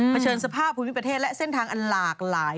เชิญสภาพภูมิประเทศและเส้นทางอันหลากหลาย